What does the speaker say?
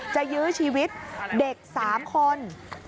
ยื้อชีวิตเด็ก๓คน